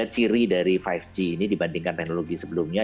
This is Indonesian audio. ciri dari lima g ini dibandingkan teknologi sebelumnya